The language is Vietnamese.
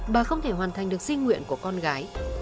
bà không thể hoàn thành được di nguyện của con gái